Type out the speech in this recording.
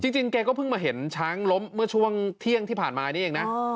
จริงแกก็เพิ่งมาเห็นช้างล้มเมื่อช่วงเที่ยงที่ผ่านมานี่เองนะ